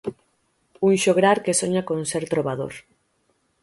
Un xograr que soña con ser trobador.